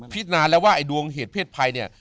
พิจารณาแล้วว่าดวงเหตุเพศไพร